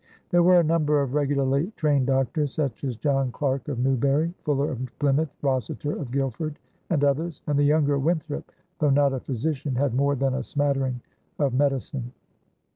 There were a number of regularly trained doctors, such as John Clark of Newbury, Fuller of Plymouth, Rossiter of Guilford, and others; and the younger Winthrop, though not a physician, had more than a smattering of medicine.